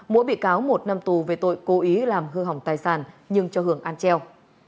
mỗi bị cáo một năm tù về tội cố ý làm hư hỏng tài sản nhưng cho hưởng an treo